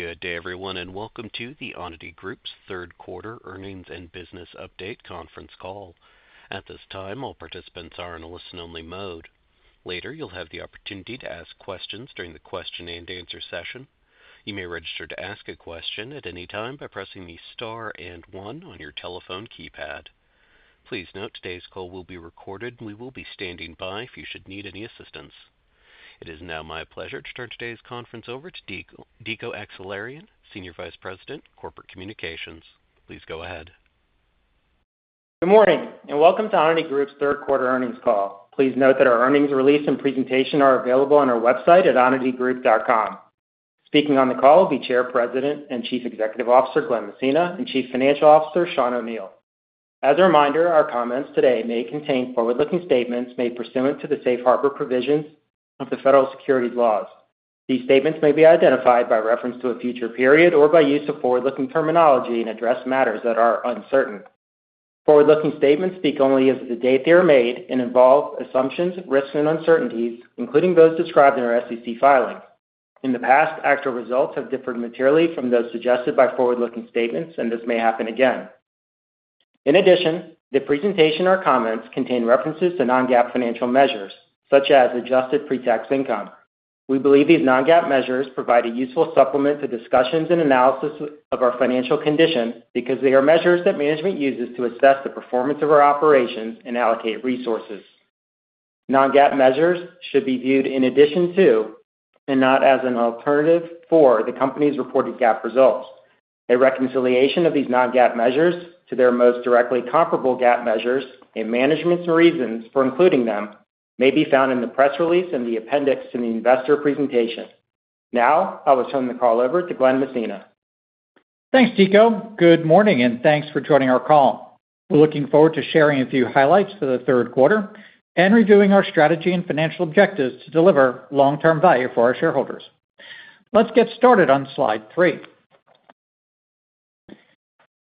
Good day, everyone, and welcome to the Onity Group's Third Quarter Earnings and Business Update Conference Call. At this time, all participants are in a listen-only mode. Later, you'll have the opportunity to ask questions during the question-and-answer session. You may register to ask a question at any time by pressing the star and one on your telephone keypad. Please note today's call will be recorded, and we will be standing by if you should need any assistance. It is now my pleasure to turn today's conference over to Dico Akseraylian, Senior Vice President, Corporate Communications. Please go ahead. Good morning, and welcome to Onity Group's Third Quarter Earnings Call. Please note that our earnings release and presentation are available on our website at onitygroup.com. Speaking on the call will be Chair, President, and Chief Executive Officer Glen Messina and Chief Financial Officer Sean O'Neal. As a reminder, our comments today may contain forward-looking statements made pursuant to the Safe Harbor provisions of the federal securities laws. These statements may be identified by reference to a future period or by use of forward-looking terminology and address matters that are uncertain. Forward-looking statements speak only as of the date they are made and involve assumptions, risks, and uncertainties, including those described in our SEC filing. In the past, actual results have differed materially from those suggested by forward-looking statements, and this may happen again. In addition, the presentation or comments contain references to non-GAAP financial measures, such as Adjusted Pre-Tax Income. We believe these non-GAAP measures provide a useful supplement to discussions and analysis of our financial condition because they are measures that management uses to assess the performance of our operations and allocate resources. Non-GAAP measures should be viewed in addition to, and not as an alternative for, the company's reported GAAP results. A reconciliation of these non-GAAP measures to their most directly comparable GAAP measures and management's reasons for including them may be found in the press release and the appendix to the investor presentation. Now, I will turn the call over to Glen Messina. Thanks, Dico. Good morning, and thanks for joining our call. We're looking forward to sharing a few highlights for the third quarter and reviewing our strategy and financial objectives to deliver long-term value for our shareholders. Let's get started on slide three.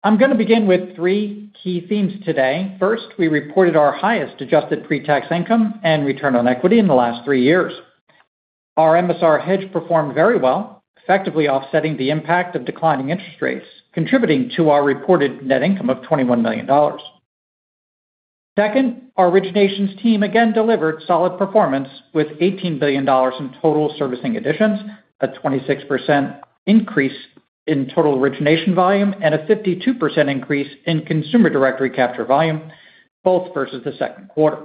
I'm going to begin with three key themes today. First, we reported our highest Adjusted Pre-Tax Income and return on equity in the last three years. Our MSR hedge performed very well, effectively offsetting the impact of declining interest rates, contributing to our reported net income of $21 million. Second, our originations team again delivered solid performance with $18 billion in total servicing additions, a 26% increase in total origination volume, and a 52% increase in Consumer Direct capture volume, both versus the second quarter.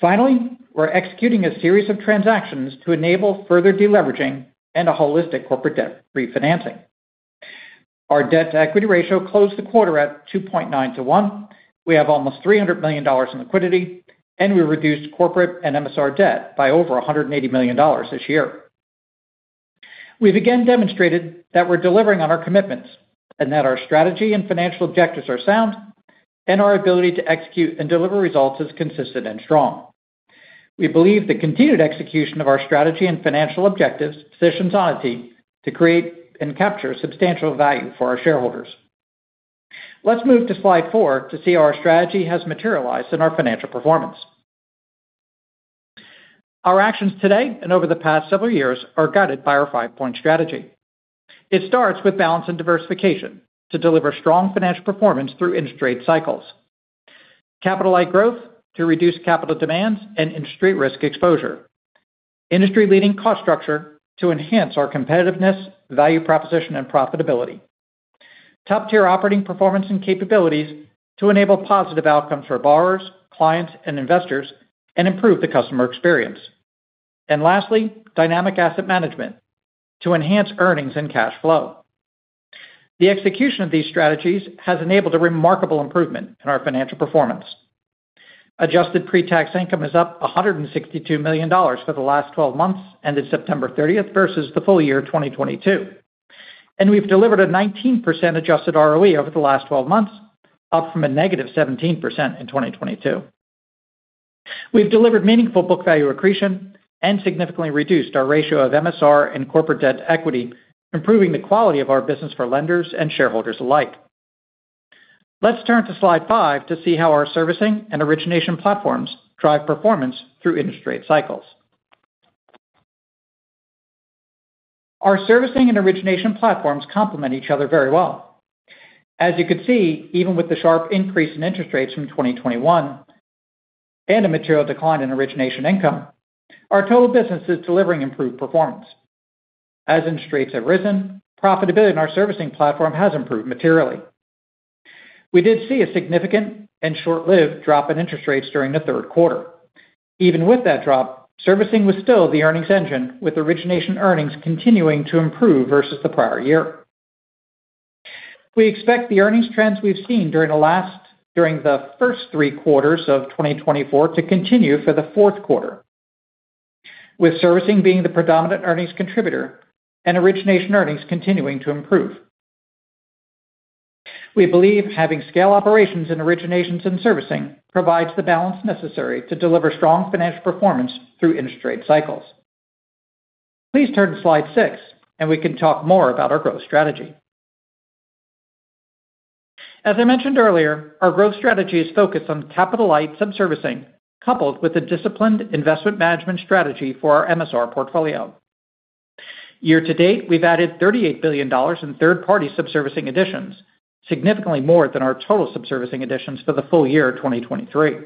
Finally, we're executing a series of transactions to enable further deleveraging and a holistic corporate debt refinancing. Our debt-to-equity ratio closed the quarter at 2.9-1. We have almost $300 million in liquidity, and we reduced corporate and MSR debt by over $180 million this year. We've again demonstrated that we're delivering on our commitments and that our strategy and financial objectives are sound, and our ability to execute and deliver results is consistent and strong. We believe the continued execution of our strategy and financial objectives positions Onity to create and capture substantial value for our shareholders. Let's move to slide four to see how our strategy has materialized in our financial performance. Our actions today and over the past several years are guided by our five-point strategy. It starts with balance and diversification to deliver strong financial performance through interest rate cycles, capital-like growth to reduce capital demands and interest rate risk exposure, industry-leading cost structure to enhance our competitiveness, value proposition, and profitability, top-tier operating performance and capabilities to enable positive outcomes for borrowers, clients, and investors, and improve the customer experience. And lastly, dynamic asset management to enhance earnings and cash flow. The execution of these strategies has enabled a remarkable improvement in our financial performance. Adjusted Pre-Tax Income is up $162 million for the last 12 months ended September 30th versus the full year 2022. And we've delivered a 19% adjusted ROE over the last 12 months, up from a -17% in 2022. We've delivered meaningful book value accretion and significantly reduced our ratio of MSR and corporate debt to equity, improving the quality of our business for lenders and shareholders alike. Let's turn to slide five to see how our servicing and origination platforms drive performance through interest rate cycles. Our servicing and origination platforms complement each other very well. As you could see, even with the sharp increase in interest rates from 2021 and a material decline in origination income, our total business is delivering improved performance. As interest rates have risen, profitability in our servicing platform has improved materially. We did see a significant and short-lived drop in interest rates during the third quarter. Even with that drop, servicing was still the earnings engine, with origination earnings continuing to improve versus the prior year. We expect the earnings trends we've seen during the first three quarters of 2024 to continue for the fourth quarter, with servicing being the predominant earnings contributor and origination earnings continuing to improve. We believe having scale operations in originations and servicing provides the balance necessary to deliver strong financial performance through interest rate cycles. Please turn to slide six, and we can talk more about our growth strategy. As I mentioned earlier, our growth strategy is focused on capital-like subservicing coupled with a disciplined investment management strategy for our MSR portfolio. Year-to-date, we've added $38 billion in third-party subservicing additions, significantly more than our total subservicing additions for the full year 2023.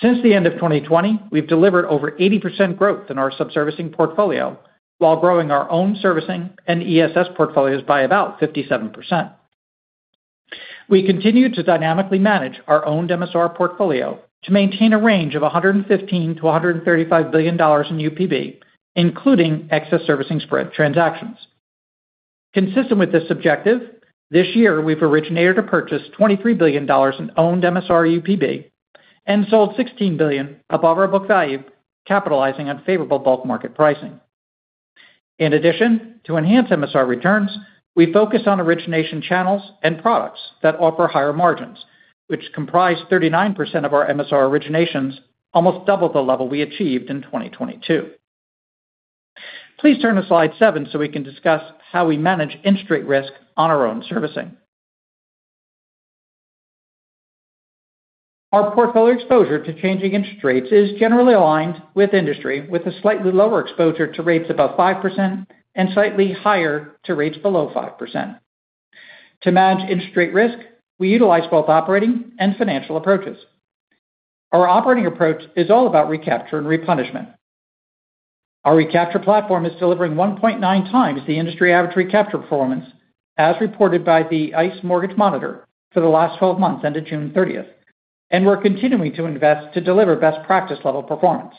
Since the end of 2020, we've delivered over 80% growth in our subservicing portfolio while growing our own servicing and ESS portfolios by about 57%. We continue to dynamically manage our owned MSR portfolio to maintain a range of $115 billion-$135 billion in UPB, including excess servicing spread transactions. Consistent with this objective, this year, we've originated a purchase of $23 billion in owned MSR UPB and sold $16 billion above our book value, capitalizing on favorable bulk market pricing. In addition, to enhance MSR returns, we focus on origination channels and products that offer higher margins, which comprise 39% of our MSR originations, almost double the level we achieved in 2022. Please turn to slide seven so we can discuss how we manage interest rate risk on our own servicing. Our portfolio exposure to changing interest rates is generally aligned with industry, with a slightly lower exposure to rates above 5% and slightly higher to rates below 5%. To manage interest rate risk, we utilize both operating and financial approaches. Our operating approach is all about recapture and replenishment. Our recapture platform is delivering 1.9x the industry average recapture performance, as reported by the ICE Mortgage Monitor for the last 12 months ended June 30th, and we're continuing to invest to deliver best practice-level performance.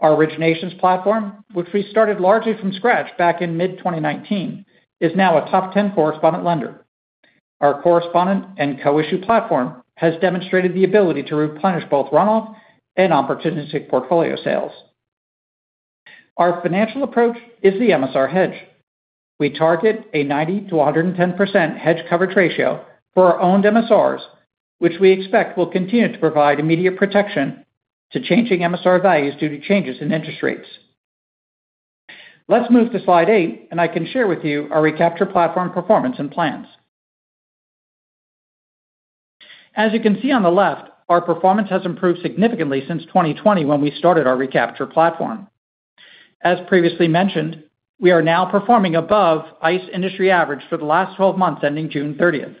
Our originations platform, which we started largely from scratch back in mid-2019, is now a top 10 correspondent lender. Our correspondent and co-issue platform has demonstrated the ability to replenish both runoff and opportunistic portfolio sales. Our financial approach is the MSR hedge. We target a 90%-110% hedge coverage ratio for our owned MSRs, which we expect will continue to provide immediate protection to changing MSR values due to changes in interest rates. Let's move to slide eight, and I can share with you our recapture platform performance and plans. As you can see on the left, our performance has improved significantly since 2020 when we started our recapture platform. As previously mentioned, we are now performing above ICE industry average for the last 12 months ending June 30th.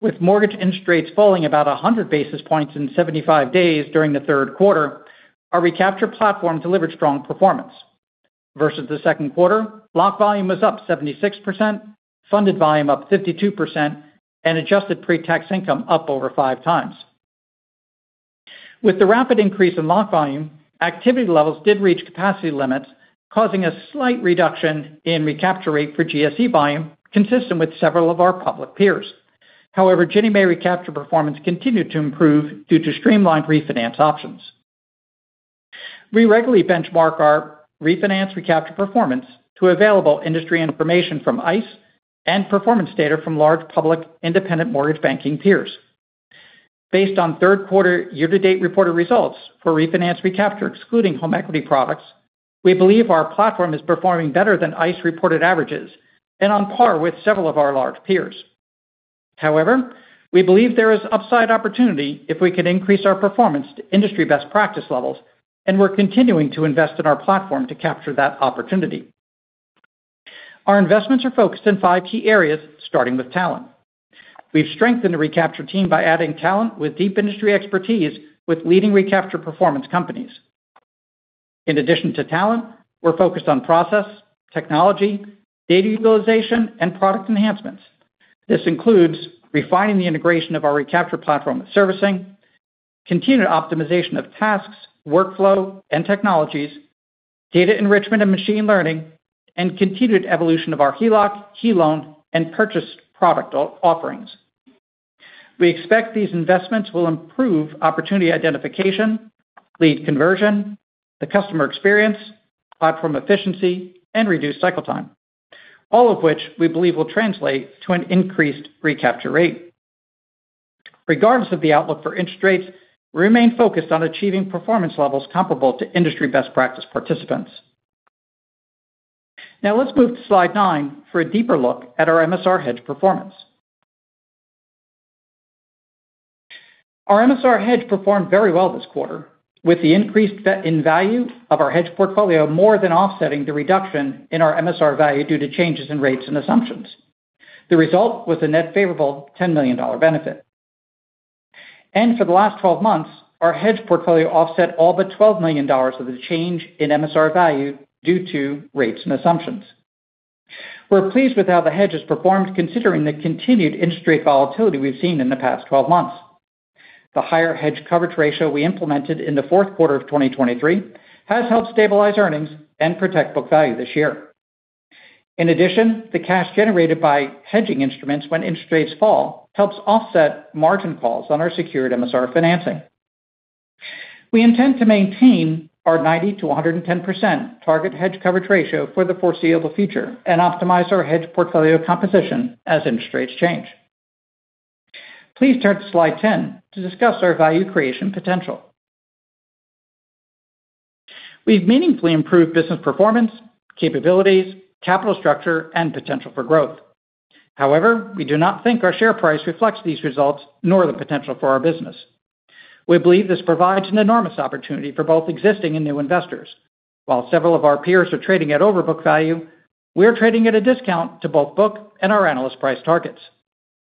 With mortgage interest rates falling about 100 basis points in 75 days during the third quarter, our recapture platform delivered strong performance. Versus the second quarter, lock volume was up 76%, funded volume up 52%, and Adjusted Pre-Tax Income up over 5x. With the rapid increase in lock volume, activity levels did reach capacity limits, causing a slight reduction in recapture rate for GSE volume, consistent with several of our public peers. However, Ginnie Mae recapture performance continued to improve due to streamlined refinance options. We regularly benchmark our refinance recapture performance to available industry information from ICE and performance data from large public independent mortgage banking peers. Based on third quarter year-to-date reported results for refinance recapture, excluding home equity products, we believe our platform is performing better than ICE reported averages and on par with several of our large peers. However, we believe there is upside opportunity if we can increase our performance to industry best practice levels, and we're continuing to invest in our platform to capture that opportunity. Our investments are focused in five key areas, starting with talent. We've strengthened the recapture team by adding talent with deep industry expertise with leading recapture performance companies. In addition to talent, we're focused on process, technology, data utilization, and product enhancements. This includes refining the integration of our recapture platform with servicing, continued optimization of tasks, workflow, and technologies, data enrichment and machine learning, and continued evolution of our HELOC, HELOAN, and purchased product offerings. We expect these investments will improve opportunity identification, lead conversion, the customer experience, platform efficiency, and reduce cycle time, all of which we believe will translate to an increased recapture rate. Regardless of the outlook for interest rates, we remain focused on achieving performance levels comparable to industry best practice participants. Now, let's move to slide nine for a deeper look at our MSR hedge performance. Our MSR hedge performed very well this quarter, with the increase in value of our hedge portfolio more than offsetting the reduction in our MSR value due to changes in rates and assumptions. The result was a net favorable $10 million benefit. For the last 12 months, our hedge portfolio offset all but $12 million of the change in MSR value due to rates and assumptions. We're pleased with how the hedge has performed, considering the continued interest rate volatility we've seen in the past 12 months. The higher hedge coverage ratio we implemented in the fourth quarter of 2023 has helped stabilize earnings and protect book value this year. In addition, the cash generated by hedging instruments when interest rates fall helps offset margin calls on our secured MSR financing. We intend to maintain our 90%-110% target hedge coverage ratio for the foreseeable future and optimize our hedge portfolio composition as interest rates change. Please turn to slide 10 to discuss our value creation potential. We've meaningfully improved business performance, capabilities, capital structure, and potential for growth. However, we do not think our share price reflects these results nor the potential for our business. We believe this provides an enormous opportunity for both existing and new investors. While several of our peers are trading at over book value, we are trading at a discount to both book value and our analyst price targets.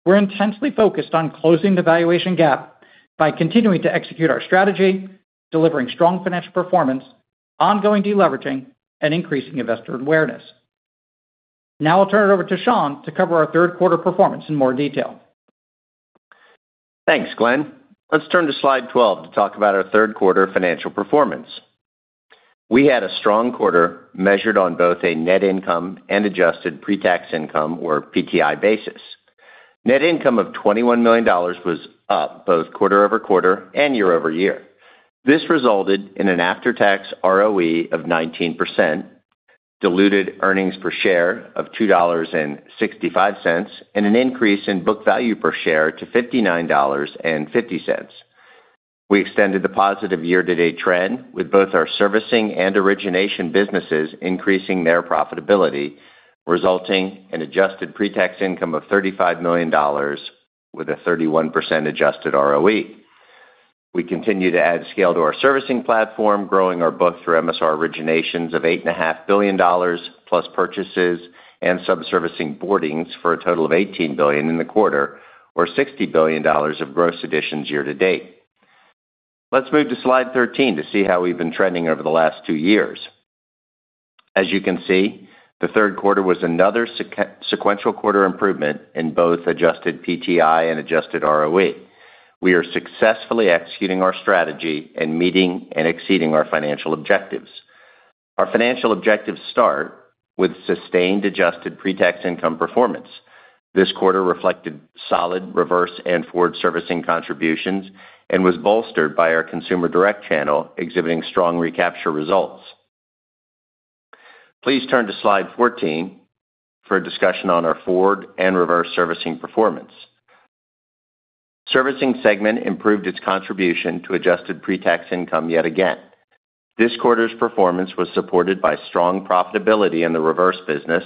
We're intensely focused on closing the valuation gap by continuing to execute our strategy, delivering strong financial performance, ongoing deleveraging, and increasing investor awareness. Now, I'll turn it over to Sean to cover our third quarter performance in more detail. Thanks, Glen. Let's turn to slide 12 to talk about our third quarter financial performance. We had a strong quarter measured on both a net income and Adjusted Pre-Tax Income, or PTI, basis. Net income of $21 million was up both quarter-over-quarter and year-over-year. This resulted in an after-tax ROE of 19%, diluted earnings per share of $2.65, and an increase in book value per share to $59.50. We extended the positive year-to-date trend, with both our servicing and origination businesses increasing their profitability, resulting in an Adjusted Pre-Tax Income of $35 million with a 31% Adjusted ROE. We continue to add scale to our servicing platform, growing our book through MSR originations of $8.5 billion, plus purchases and subservicing boardings for a total of $18 billion in the quarter, or $60 billion of gross additions year to date. Let's move to slide 13 to see how we've been trending over the last two years. As you can see, the third quarter was another sequential quarter improvement in both Adjusted PTI and Adjusted ROE. We are successfully executing our strategy and meeting and exceeding our financial objectives. Our financial objectives start with sustained Adjusted Pre-Tax Income performance. This quarter reflected solid reverse and forward servicing contributions and was bolstered by our Consumer Direct channel exhibiting strong recapture results. Please turn to slide 14 for a discussion on our forward and reverse servicing performance. Servicing segment improved its contribution to Adjusted Pre-Tax Income yet again. This quarter's performance was supported by strong profitability in the reverse business,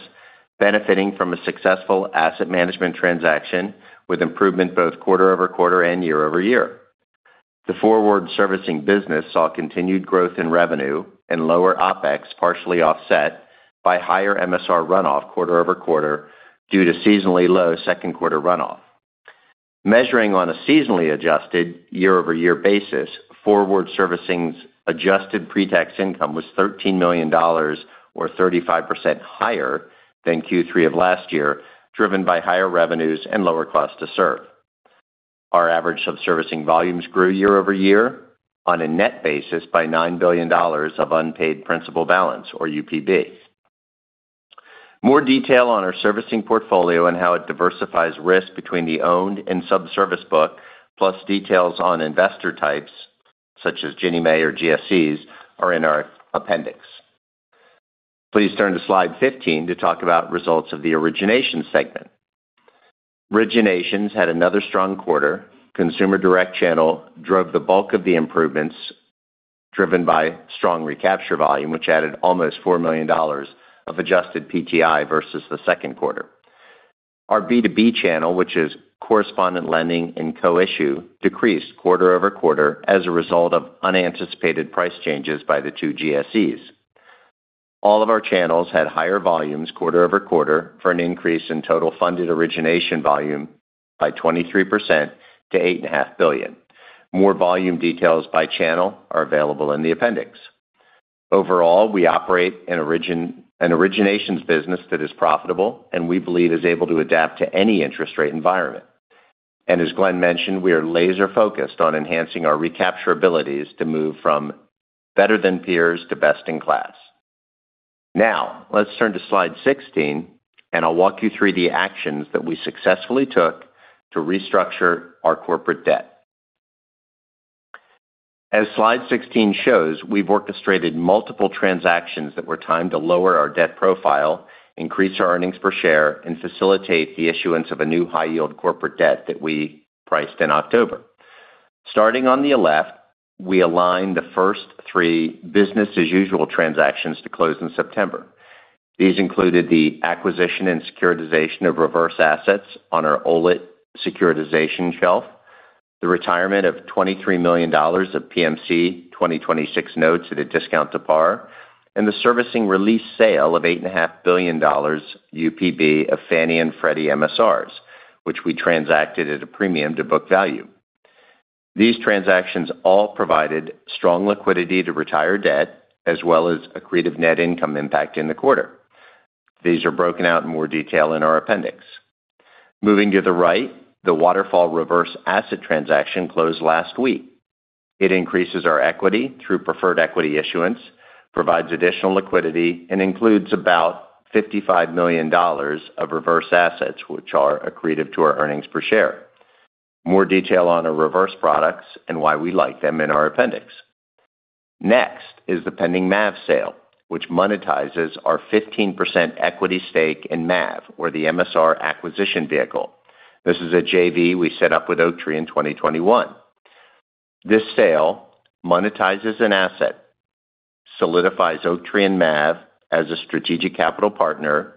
benefiting from a successful asset management transaction with improvement both quarter-over-quarter and year-over-year. The forward servicing business saw continued growth in revenue and lower OpEx partially offset by higher MSR runoff quarter-over-quarter due to seasonally low second quarter runoff. Measuring on a seasonally adjusted year-over-year basis, forward servicing's Adjusted Pre-Tax Income was $13 million, or 35% higher than Q3 of last year, driven by higher revenues and lower cost to serve. Our average subservicing volumes grew year over year on a net basis by $9 billion of Unpaid Principal Balance, or UPB. More detail on our servicing portfolio and how it diversifies risk between the owned and subservicing book, plus details on investor types such as Ginnie Mae or GSEs, are in our appendix. Please turn to slide 15 to talk about results of the origination segment. Originations had another strong quarter. Consumer direct channel drove the bulk of the improvements driven by strong recapture volume, which added almost $4 million of adjusted PTI versus the second quarter. Our B2B channel, which is correspondent lending and co-issue, decreased quarter-over-quarter as a result of unanticipated price changes by the two GSEs. All of our channels had higher volumes quarter-over-quarter for an increase in total funded origination volume by 23% to $8.5 billion. More volume details by channel are available in the appendix. Overall, we operate an originations business that is profitable and we believe is able to adapt to any interest rate environment, and as Glen mentioned, we are laser-focused on enhancing our recapture abilities to move from better than peers to best in class. Now, let's turn to slide 16, and I'll walk you through the actions that we successfully took to restructure our corporate debt. As slide 16 shows, we've orchestrated multiple transactions that were timed to lower our debt profile, increase our earnings per share, and facilitate the issuance of a new high-yield corporate debt that we priced in October. Starting on the left, we aligned the first three business-as-usual transactions to close in September. These included the acquisition and securitization of reverse assets on our OLIT securitization shelf, the retirement of $23 million of PMC 2026 Notes at a discount to par, and the servicing release sale of $8.5 billion UPB of Fannie and Freddie MSRs, which we transacted at a premium to book value. These transactions all provided strong liquidity to retire debt, as well as a creative net income impact in the quarter. These are broken out in more detail in our appendix. Moving to the right, the waterfall reverse asset transaction closed last week. It increases our equity through preferred equity issuance, provides additional liquidity, and includes about $55 million of reverse assets, which are accretive to our earnings per share. More detail on our reverse products and why we like them in our appendix. Next is the pending MAV sale, which monetizes our 15% equity stake in MAV, or the MSR Acquisition Vehicle. This is a JV we set up with Oaktree in 2021. This sale monetizes an asset, solidifies Oaktree and MAV as a strategic capital partner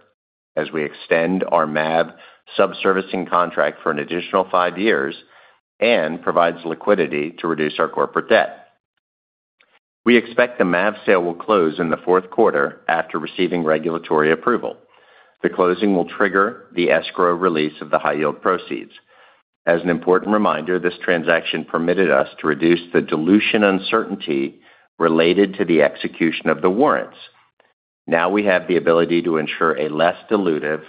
as we extend our MAV subservicing contract for an additional five years and provides liquidity to reduce our corporate debt. We expect the MAV sale will close in the fourth quarter after receiving regulatory approval. The closing will trigger the escrow release of the high-yield proceeds. As an important reminder, this transaction permitted us to reduce the dilution uncertainty related to the execution of the warrants. Now we have the ability to ensure a less dilutive,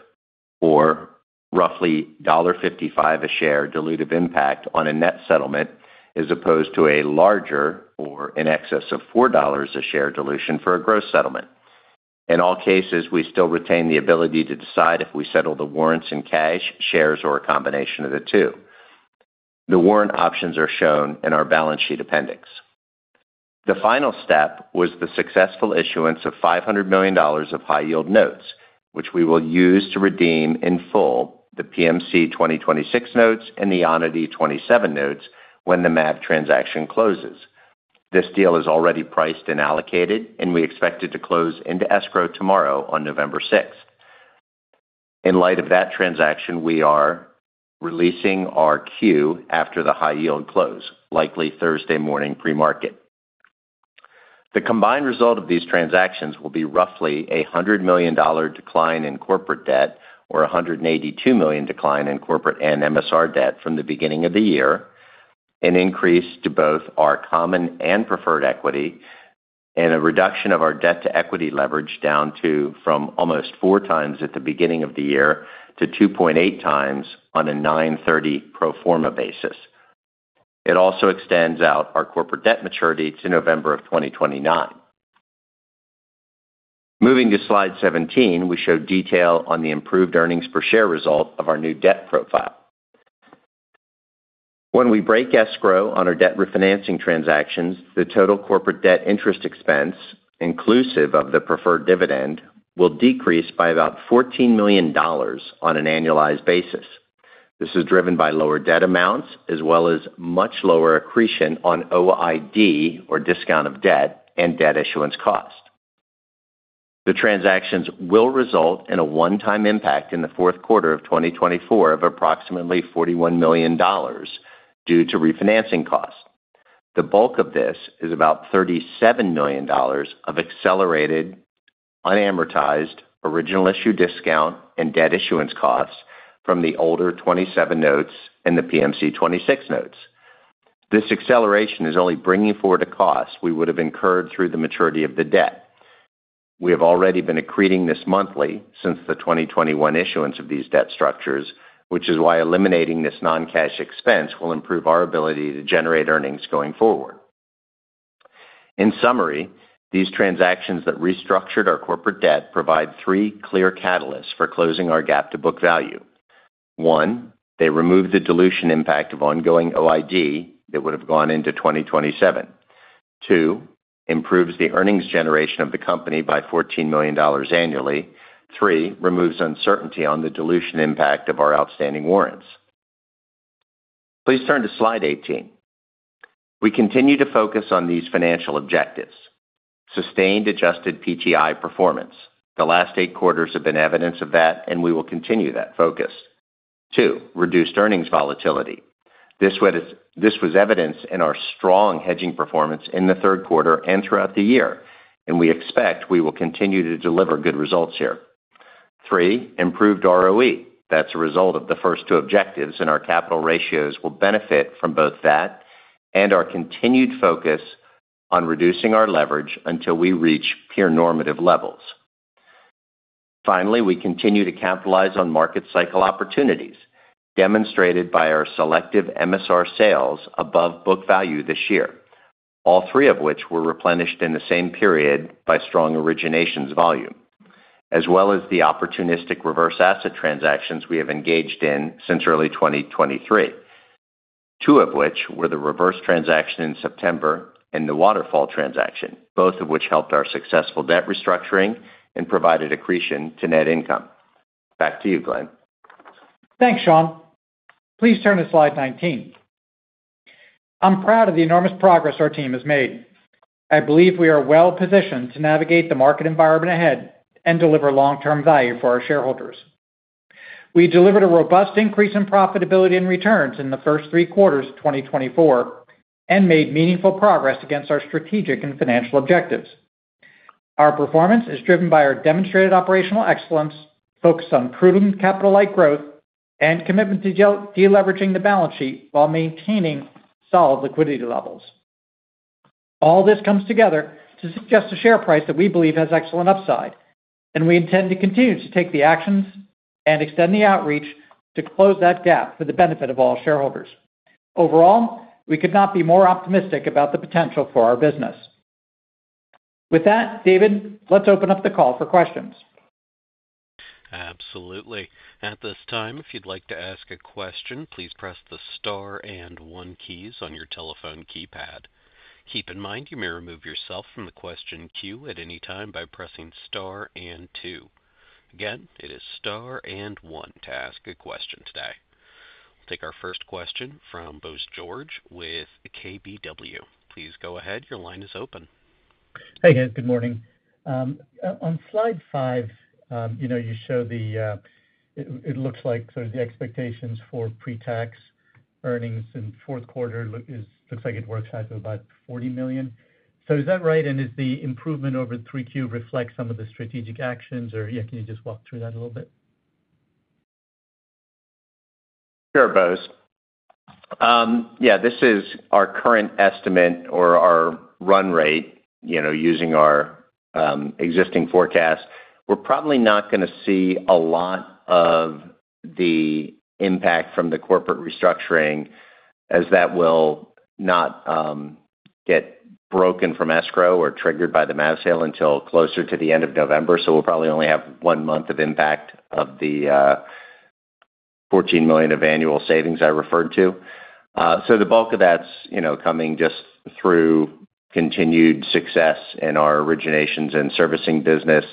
or roughly $1.55 a share dilutive impact on a net settlement, as opposed to a larger or in excess of $4 a share dilution for a gross settlement. In all cases, we still retain the ability to decide if we settle the warrants in cash, shares, or a combination of the two. The warrant options are shown in our balance sheet appendix. The final step was the successful issuance of $500 million of high-yield notes, which we will use to redeem in full the PMC 2026 Notes and the Onity 27 Notes when the MAV transaction closes. This deal is already priced and allocated, and we expect it to close into escrow tomorrow on November 6th. In light of that transaction, we are releasing our Q after the high-yield close, likely Thursday morning pre-market. The combined result of these transactions will be roughly a $100 million decline in corporate debt, or $182 million decline in corporate and MSR debt from the beginning of the year, an increase to both our common and preferred equity, and a reduction of our debt-to-equity leverage down to from almost 4x at the beginning of the year to 2.8x on a 9/30 pro forma basis. It also extends out our corporate debt maturity to November of 2029. Moving to slide 17, we show detail on the improved earnings per share result of our new debt profile. When we break escrow on our debt refinancing transactions, the total corporate debt interest expense, inclusive of the preferred dividend, will decrease by about $14 million on an annualized basis. This is driven by lower debt amounts as well as much lower accretion on OID, or discount of debt, and debt issuance cost. The transactions will result in a one-time impact in the fourth quarter of 2024 of approximately $41 million due to refinancing cost. The bulk of this is about $37 million of accelerated, unamortized, original issue discount, and debt issuance costs from the older 27 notes and the PMC 26 notes. This acceleration is only bringing forward a cost we would have incurred through the maturity of the debt. We have already been accreting this monthly since the 2021 issuance of these debt structures, which is why eliminating this non-cash expense will improve our ability to generate earnings going forward. In summary, these transactions that restructured our corporate debt provide three clear catalysts for closing our gap to book value. One, they remove the dilution impact of ongoing OID that would have gone into 2027. Two, improves the earnings generation of the company by $14 million annually. Three, removes uncertainty on the dilution impact of our outstanding warrants. Please turn to slide 18. We continue to focus on these financial objectives: sustained adjusted PTI performance. The last eight quarters have been evidence of that, and we will continue that focus. Two, reduced earnings volatility. This was evidenced in our strong hedging performance in the third quarter and throughout the year, and we expect we will continue to deliver good results here. Three, improved ROE. That's a result of the first two objectives, and our capital ratios will benefit from both that and our continued focus on reducing our leverage until we reach peer normative levels. Finally, we continue to capitalize on market cycle opportunities demonstrated by our selective MSR sales above book value this year, all three of which were replenished in the same period by strong originations volume, as well as the opportunistic reverse asset transactions we have engaged in since early 2023, two of which were the reverse transaction in September and the waterfall transaction, both of which helped our successful debt restructuring and provided accretion to net income. Back to you, Glen. Thanks, Sean. Please turn to slide 19. I'm proud of the enormous progress our team has made. I believe we are well-positioned to navigate the market environment ahead and deliver long-term value for our shareholders. We delivered a robust increase in profitability and returns in the first three quarters of 2024 and made meaningful progress against our strategic and financial objectives. Our performance is driven by our demonstrated operational excellence, focus on prudent capital-light growth, and commitment to deleveraging the balance sheet while maintaining solid liquidity levels. All this comes together to suggest a share price that we believe has excellent upside, and we intend to continue to take the actions and extend the outreach to close that gap for the benefit of all shareholders. Overall, we could not be more optimistic about the potential for our business. With that, David, let's open up the call for questions. Absolutely. At this time, if you'd like to ask a question, please press the star and one keys on your telephone keypad. Keep in mind, you may remove yourself from the question queue at any time by pressing star and two. Again, it is star and one to ask a question today. We'll take our first question from Bose George with KBW. Please go ahead. Your line is open. Hey, guys. Good morning. On slide five, you show that it looks like sort of the expectations for pre-tax earnings in fourth quarter looks like it works out to about $40 million. So is that right? And does the improvement over 3Q reflect some of the strategic actions? Or yeah, can you just walk through that a little bit? Sure, Bose. Yeah, this is our current estimate or our run rate using our existing forecast. We're probably not going to see a lot of the impact from the corporate restructuring as that will not get broken from escrow or triggered by the MAV sale until closer to the end of November. So we'll probably only have one month of impact of the $14 million of annual savings I referred to. The bulk of that's coming just through continued success in our originations and servicing business.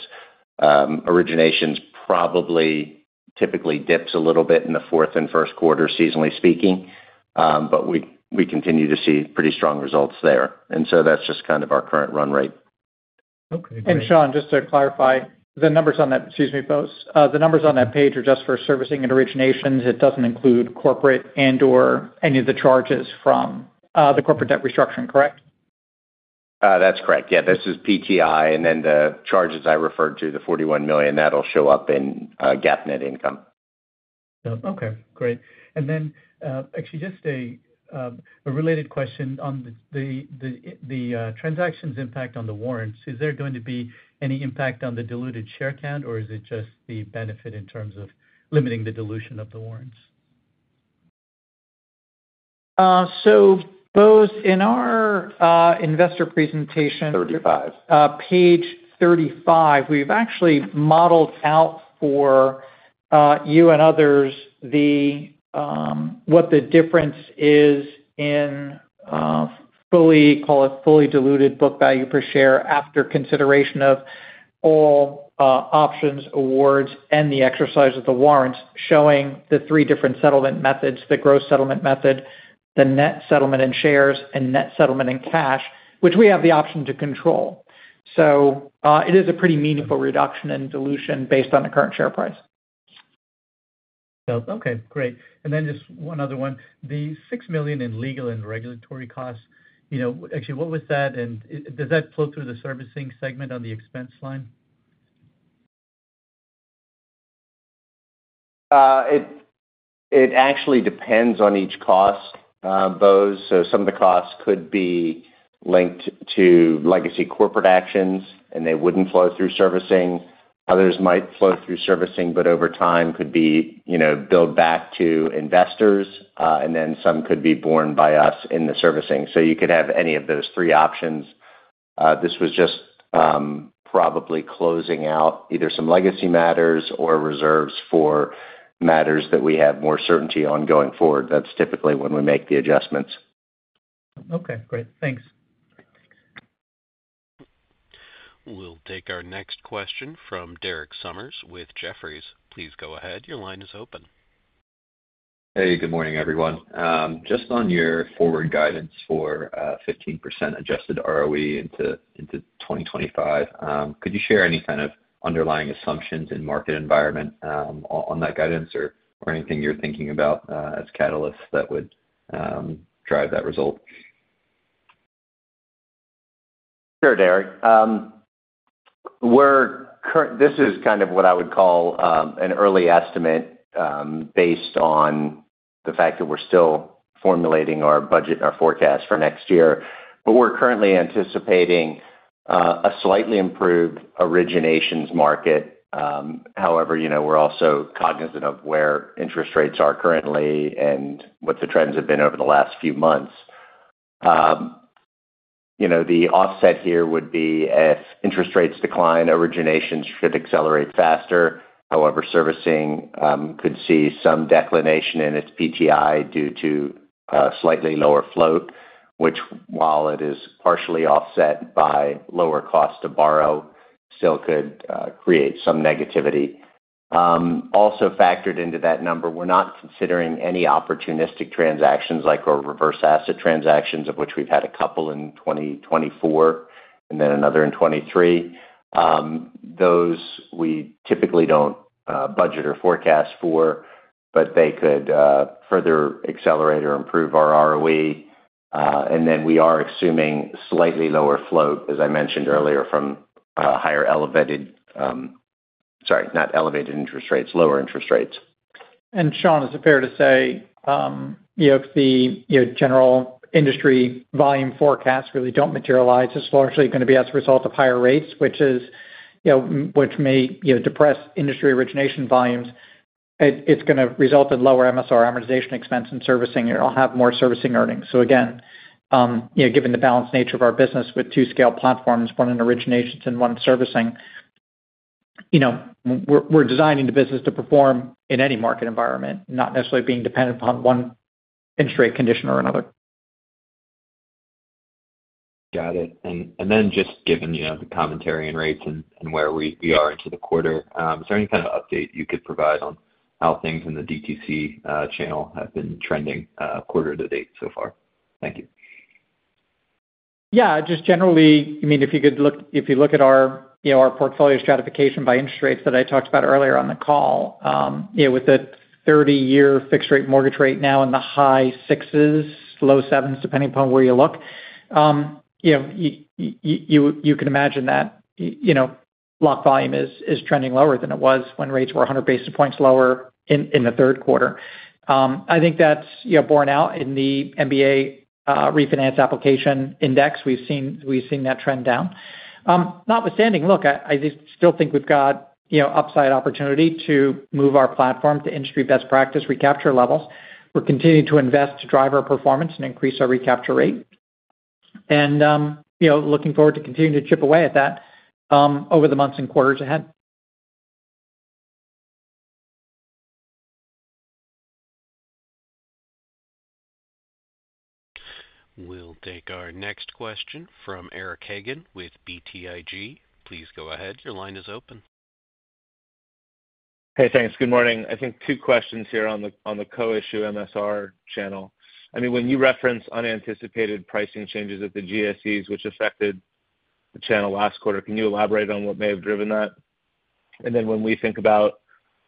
Originations probably typically dips a little bit in the fourth and first quarter, seasonally speaking, but we continue to see pretty strong results there. And so that's just kind of our current run rate. Okay. And Sean, just to clarify, the numbers on that, excuse me, Bose, the numbers on that page are just for servicing and originations. It doesn't include corporate and/or any of the charges from the corporate debt restructuring, correct? That's correct. Yeah, this is PTI, and then the charges I referred to, the $41 million, that'll show up in GAAP net income. Okay. Great. And then actually, just a related question on the transactions impact on the warrants. Is there going to be any impact on the diluted share count, or is it just the benefit in terms of limiting the dilution of the warrants? So Bose, in our investor presentation. 35. Page 35, we've actually modeled out for you and others what the difference is in fully, call it fully diluted book value per share after consideration of all options, awards, and the exercise of the warrants, showing the three different settlement methods: the gross settlement method, the net settlement in shares, and net settlement in cash, which we have the option to control. So it is a pretty meaningful reduction in dilution based on the current share price. Okay. Great. And then just one other one. The $6 million in legal and regulatory costs, actually, what was that? And does that flow through the servicing segment on the expense line? It actually depends on each cost, Bose. So some of the costs could be linked to legacy corporate actions, and they wouldn't flow through servicing. Others might flow through servicing, but over time could be billed back to investors, and then some could be borne by us in the servicing. So you could have any of those three options. This was just probably closing out either some legacy matters or reserves for matters that we have more certainty on going forward. That's typically when we make the adjustments. Okay. Great. Thanks. We'll take our next question from Derek Sommers with Jefferies. Please go ahead. Your line is open. Hey, good morning, everyone. Just on your forward guidance for 15% adjusted ROE into 2025, could you share any kind of underlying assumptions in market environment on that guidance or anything you're thinking about as catalysts that would drive that result? Sure, Derek. This is kind of what I would call an early estimate based on the fact that we're still formulating our budget, our forecast for next year. But we're currently anticipating a slightly improved originations market. However, we're also cognizant of where interest rates are currently and what the trends have been over the last few months. The offset here would be if interest rates decline, originations should accelerate faster. However, servicing could see some decline in its PTI due to slightly lower float, which, while it is partially offset by lower cost to borrow, still could create some negativity. Also factored into that number, we're not considering any opportunistic transactions like our reverse asset transactions, of which we've had a couple in 2024 and then another in 2023. Those we typically don't budget or forecast for, but they could further accelerate or improve our ROE. We are assuming slightly lower float, as I mentioned earlier, from lower interest rates. Sean, is it fair to say if the general industry volume forecasts really don't materialize, it's largely going to be as a result of higher rates, which may depress industry origination volumes. It's going to result in lower MSR amortization expense and servicing, and it'll have more servicing earnings. Again, given the balanced nature of our business with two-scale platforms, one in originations and one servicing, we're designing the business to perform in any market environment, not necessarily being dependent upon one interest rate condition or another. Got it. And then just given the commentary and rates and where we are into the quarter, is there any kind of update you could provide on how things in the DTC channel have been trending quarter-to-date so far? Thank you. Yeah. Just generally, I mean, if you could look at our portfolio stratification by interest rates that I talked about earlier on the call, with the 30-year fixed-rate mortgage rate now in the high sixes, low sevens, depending upon where you look, you can imagine that block volume is trending lower than it was when rates were 100 basis points lower in the third quarter. I think that's borne out in the MBA refinance application index. We've seen that trend down. Notwithstanding, look, I still think we've got upside opportunity to move our platform to industry best practice recapture levels. We're continuing to invest to drive our performance and increase our recapture rate, and looking forward to continuing to chip away at that over the months and quarters ahead. We'll take our next question from Eric Hagen with BTIG. Please go ahead. Your line is open. Hey, thanks. Good morning. I think two questions here on the co-issue MSR channel. I mean, when you reference unanticipated pricing changes at the GSEs, which affected the channel last quarter, can you elaborate on what may have driven that? And then when we think about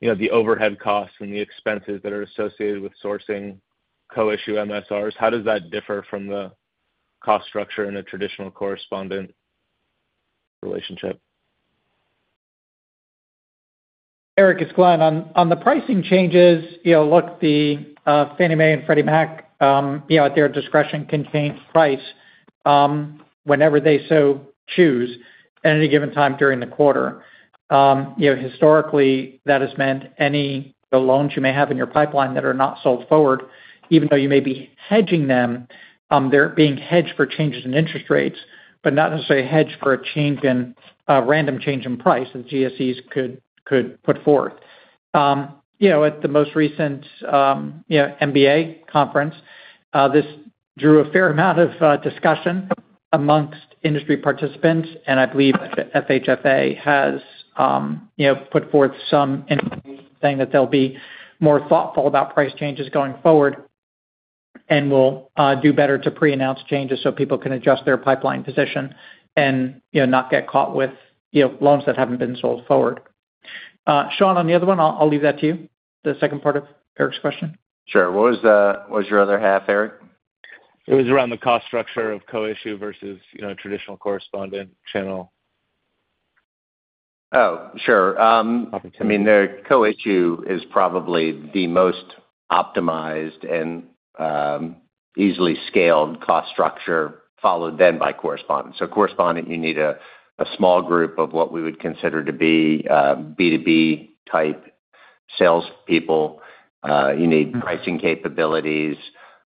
the overhead costs and the expenses that are associated with sourcing co-issue MSRs, how does that differ from the cost structure in a traditional correspondent relationship? Eric, it's Glen. On the pricing changes, look, the Fannie Mae and Freddie Mac, at their discretion, can change price whenever they so choose at any given time during the quarter. Historically, that has meant any loans you may have in your pipeline that are not sold forward, even though you may be hedging them, they're being hedged for changes in interest rates, but not necessarily hedged for a random change in price that the GSEs could put forth. At the most recent MBA conference, this drew a fair amount of discussion amongst industry participants, and I believe FHFA has put forth some information saying that they'll be more thoughtful about price changes going forward and will do better to pre-announce changes so people can adjust their pipeline position and not get caught with loans that haven't been sold forward. Sean, on the other one, I'll leave that to you. The second part of Eric's question. Sure. What was your other half, Eric? It was around the cost structure of co-issue versus traditional correspondent channel. Oh, sure. I mean, the co-issue is probably the most optimized and easily scaled cost structure followed then by correspondent. So correspondent, you need a small group of what we would consider to be B2B-type salespeople. You need pricing capabilities.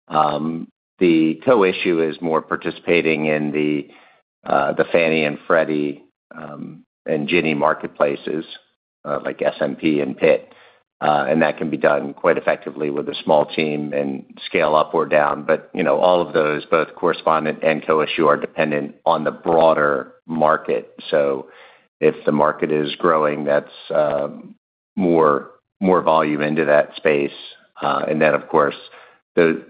The co-issue is more participating in the Fannie and Freddie and Ginnie marketplaces like SMP and PIIT, and that can be done quite effectively with a small team and scale up or down. But all of those, both correspondent and co-issue, are dependent on the broader market. So if the market is growing, that's more volume into that space. And then, of course, those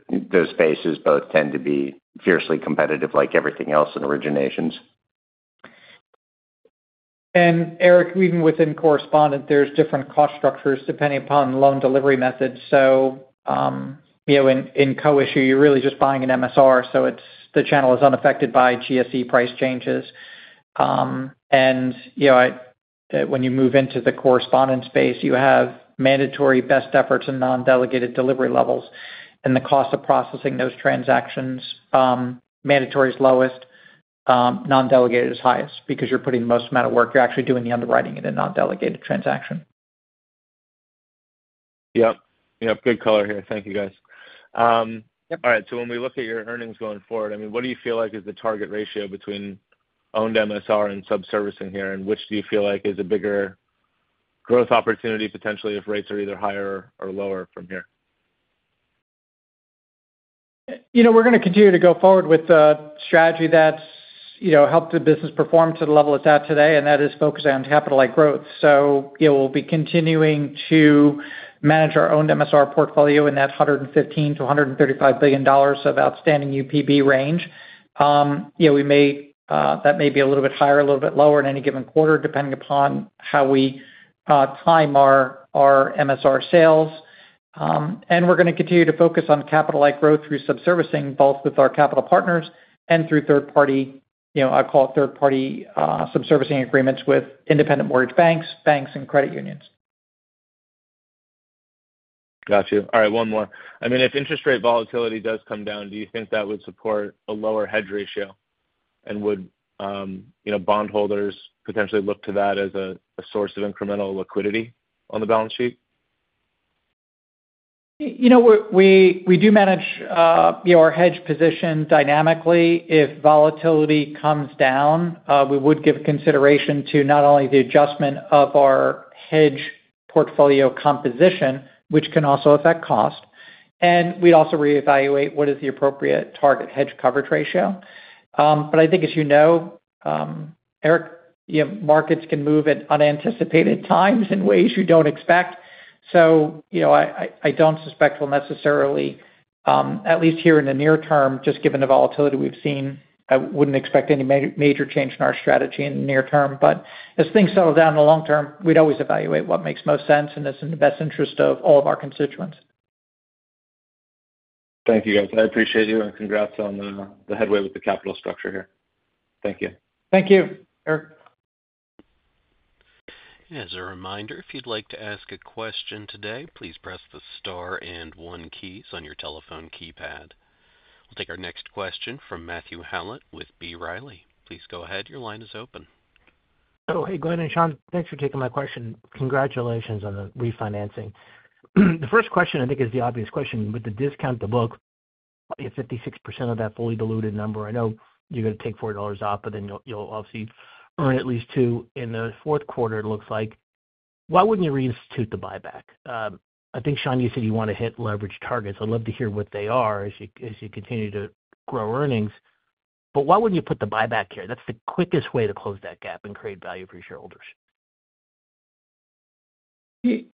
spaces both tend to be fiercely competitive like everything else in originations. And Eric, even within correspondent, there's different cost structures depending upon loan delivery methods. So in co-issue, you're really just buying an MSR, so the channel is unaffected by GSE price changes. When you move into the correspondent space, you have mandatory best efforts and non-delegated delivery levels. The cost of processing those transactions, mandatory is lowest, non-delegated is highest because you're putting the most amount of work. You're actually doing the underwriting in a non-delegated transaction. Yep. Yep. Good color here. Thank you, guys. All right. When we look at your earnings going forward, I mean, what do you feel like is the target ratio between owned MSR and subservicing here, and which do you feel like is a bigger growth opportunity potentially if rates are either higher or lower from here? We're going to continue to go forward with a strategy that's helped the business perform to the level it's at today, and that is focusing on capital-like growth. So we'll be continuing to manage our owned MSR portfolio in that $115 billion-$135 billion of outstanding UPB range. That may be a little bit higher, a little bit lower in any given quarter depending upon how we time our MSR sales. And we're going to continue to focus on capital-like growth through subservicing, both with our capital partners and through third-party, I'll call it third-party subservicing agreements with independent mortgage banks, banks, and credit unions. Gotcha. All right. One more. I mean, if interest rate volatility does come down, do you think that would support a lower hedge ratio? And would bondholders potentially look to that as a source of incremental liquidity on the balance sheet? We do manage our hedge position dynamically. If volatility comes down, we would give consideration to not only the adjustment of our hedge portfolio composition, which can also affect cost. And we'd also reevaluate what is the appropriate target hedge coverage ratio. But I think, as you know, Eric, markets can move at unanticipated times in ways you don't expect. So I don't suspect we'll necessarily, at least here in the near term, just given the volatility we've seen, I wouldn't expect any major change in our strategy in the near term. But as things settle down in the long term, we'd always evaluate what makes most sense and is in the best interest of all of our constituents. Thank you, guys. I appreciate you, and congrats on the headway with the capital structure here. Thank you. Thank you, Eric. As a reminder, if you'd like to ask a question today, please press the star and one keys on your telephone keypad. We'll take our next question from Matthew Howlett with B. Riley. Please go ahead. Your line is open. Oh, hey, Glen and Sean, thanks for taking my question. Congratulations on the refinancing. The first question, I think, is the obvious question. With the discount to book, you have 56% of that fully diluted number. I know you're going to take $4 off, but then you'll obviously earn at least two in the fourth quarter, it looks like. Why wouldn't you reinstitute the buyback? I think, Sean, you said you want to hit leverage targets. I'd love to hear what they are as you continue to grow earnings. But why wouldn't you put the buyback here? That's the quickest way to close that gap and create value for your shareholders.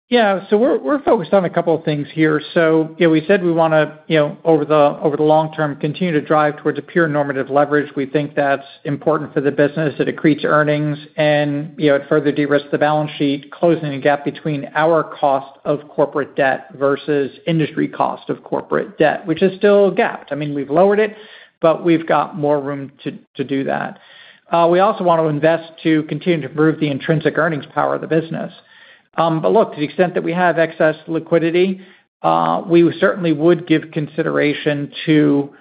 Yeah. So we're focused on a couple of things here. So we said we want to, over the long term, continue to drive towards a pure normative leverage. We think that's important for the business that it creates earnings and it further de-risked the balance sheet, closing a gap between our cost of corporate debt versus industry cost of corporate debt, which is still gapped. I mean, we've lowered it, but we've got more room to do that. We also want to invest to continue to improve the intrinsic earnings power of the business. But look, to the extent that we have excess liquidity, we certainly would give consideration to,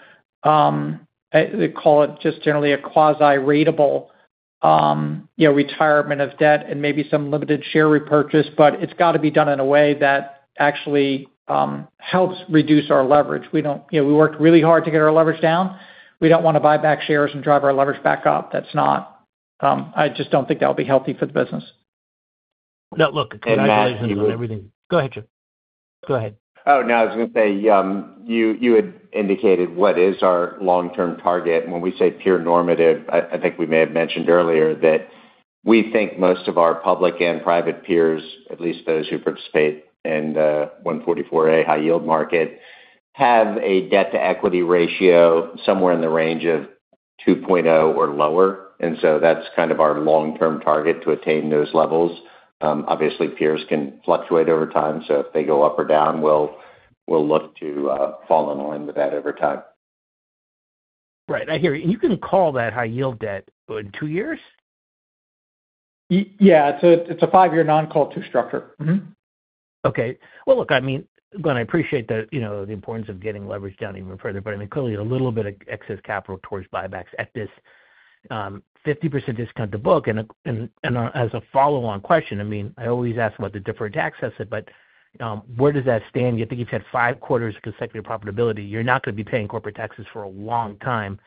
I call it just generally a quasi-ratable retirement of debt and maybe some limited share repurchase, but it's got to be done in a way that actually helps reduce our leverage. We worked really hard to get our leverage down. We don't want to buy back shares and drive our leverage back up. I just don't think that would be healthy for the business. Now, look. Go ahead, Matthew. Go ahead. Oh, no. I was going to say you had indicated what is our long-term target. When we say pure normative, I think we may have mentioned earlier that we think most of our public and private peers, at least those who participate in the 144A high-yield market, have a debt-to-equity ratio somewhere in the range of 2.0 or lower. And so that's kind of our long-term target to attain those levels. Obviously, peers can fluctuate over time, so if they go up or down, we'll look to fall in line with that over time. Right. I hear you. And you can call that high-yield debt in two years? Yeah. It's a five-year non-call-to structure. Okay. Look, I mean, Glen, I appreciate the importance of getting leverage down even further, but I mean, clearly a little bit of excess capital towards buybacks at this 50% discount to book. And as a follow-on question, I mean, I always ask about the deferred tax asset, but where does that stand? You think you've had five quarters of consecutive profitability. You're not going to be paying corporate taxes for a long time.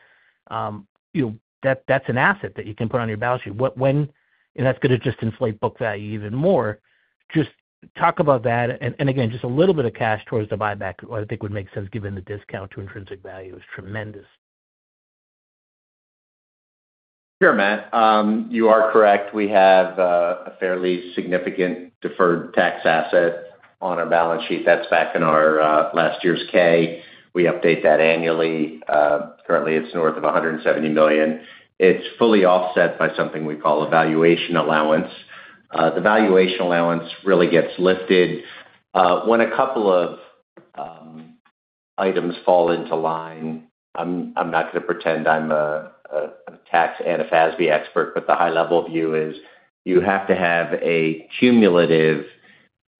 That's an asset that you can put on your balance sheet. And that's going to just inflate book value even more. Just talk about that. And again, just a little bit of cash towards the buyback, I think would make sense given the discount to intrinsic value is tremendous. Sure, Matt. You are correct. We have a fairly significant deferred tax asset on our balance sheet. That's back in our last year's 10-K. We update that annually. Currently, it's north of $170 million. It's fully offset by something we call a valuation allowance. The valuation allowance really gets lifted when a couple of items fall into line. I'm not going to pretend I'm a tax expert, but the high-level view is you have to have a cumulative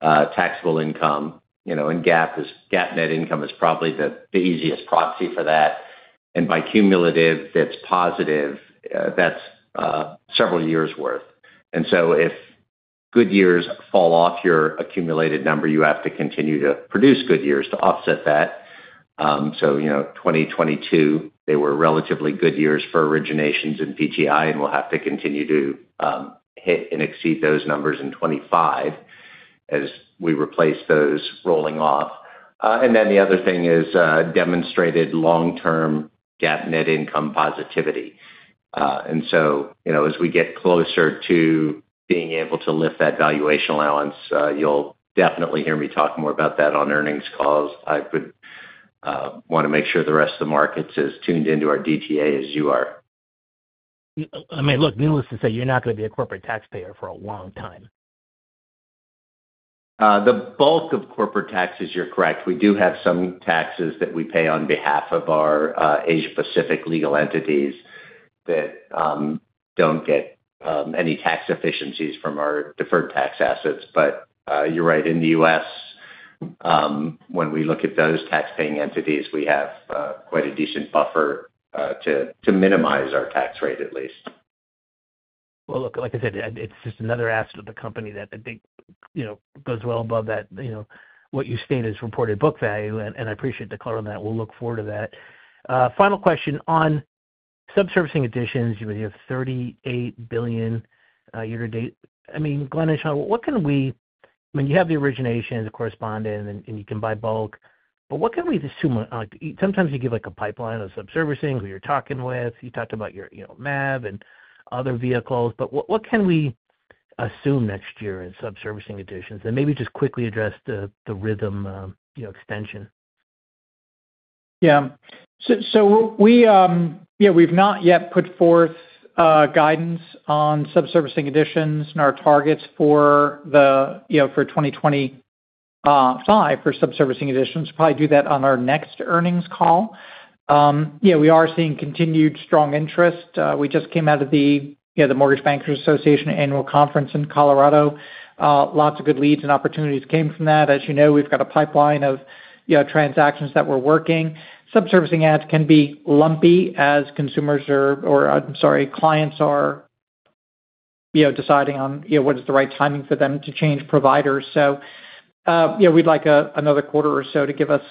taxable income, and GAAP net income is probably the easiest proxy for that. And by cumulative, that's positive. That's several years' worth. And so if good years fall off your accumulated number, you have to continue to produce good years to offset that. So 2022, they were relatively good years for originations and PTI, and we'll have to continue to hit and exceed those numbers in 2025 as we replace those rolling off. And then the other thing is demonstrated long-term GAAP net income positivity. As we get closer to being able to lift that valuation allowance, you'll definitely hear me talk more about that on earnings calls. I would want to make sure the rest of the markets is tuned into our DTA as you are. I mean, look, needless to say, you're not going to be a corporate taxpayer for a long time. The bulk of corporate taxes, you're correct. We do have some taxes that we pay on behalf of our Asia-Pacific legal entities that don't get any tax efficiencies from our deferred tax assets. You're right. In the U.S., when we look at those taxpaying entities, we have quite a decent buffer to minimize our tax rate at least. Look, like I said, it's just another asset of the company that I think goes well above that. What you stated is reported book value, and I appreciate the color on that. We'll look forward to that. Final question on subservicing additions. You have $38 billion year-to-date. I mean, Glen and Sean, what can we—I mean, you have the originations, the correspondent, and you can buy bulk, but what can we assume? Sometimes you give a pipeline of subservicing who you're talking with. You talked about your MAV and other vehicles, but what can we assume next year in subservicing additions? And maybe just quickly address the Rithm extension. Yeah. So yeah, we've not yet put forth guidance on subservicing additions and our targets for 2025 for subservicing additions. We'll probably do that on our next earnings call. Yeah, we are seeing continued strong interest. We just came out of the Mortgage Bankers Association Annual Conference in Colorado. Lots of good leads and opportunities came from that. As you know, we've got a pipeline of transactions that we're working. Subservicing ads can be lumpy as consumers or, I'm sorry, clients are deciding on what is the right timing for them to change providers. So we'd like another quarter or so to give us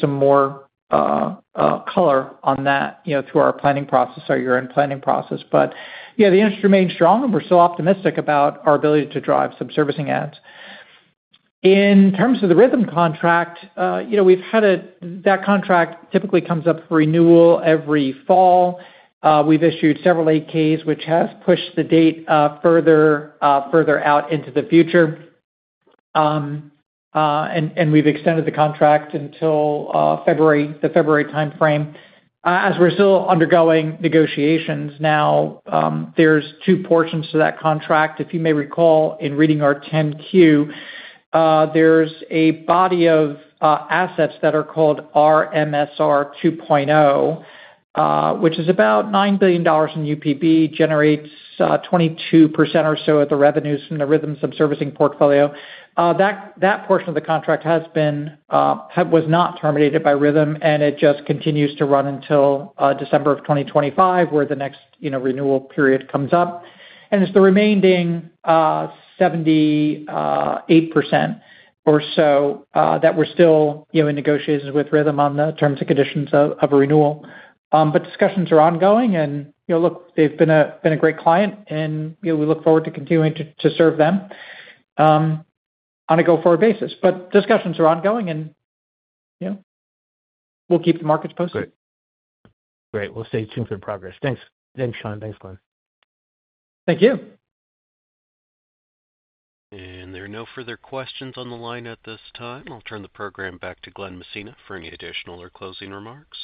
some more color on that through our planning process or your own planning process. But yeah, the interest remains strong, and we're still optimistic about our ability to drive subservicing ads. In terms of the Rithm contract, we've had that contract typically comes up for renewal every fall. We've issued several 8-Ks, which has pushed the date further out into the future. And we've extended the contract until the February timeframe. As we're still undergoing negotiations now, there's two portions to that contract. If you may recall, in reading our 10-Q, there's a body of assets that are called RMSR 2.0, which is about $9 billion in UPB, generates 22% or so of the revenues from the Rithm subservicing portfolio. That portion of the contract was not terminated by Rithm, and it just continues to run until December of 2025, where the next renewal period comes up. It's the remaining 78% or so that we're still in negotiations with Rithm on the terms and conditions of renewal. But discussions are ongoing. And look, they've been a great client, and we look forward to continuing to serve them on a go-forward basis. But discussions are ongoing, and we'll keep the markets posted. Great. Great. We'll stay tuned for the progress. Thanks, Sean. Thanks, Glen. Thank you. And there are no further questions on the line at this time. I'll turn the program back to Glen Messina for any additional or closing remarks.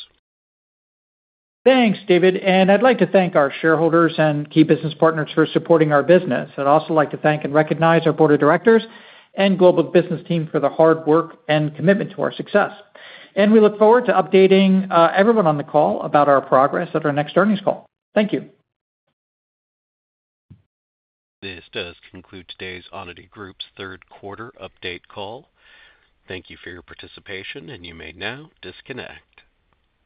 Thanks, David. And I'd like to thank our shareholders and key business partners for supporting our business. I'd also like to thank and recognize our board of directors and global business team for the hard work and commitment to our success. And we look forward to updating everyone on the call about our progress at our next earnings call. Thank you. This does conclude today's Onity Group's Third Quarter Update Call. Thank you for your participation, and you may now disconnect.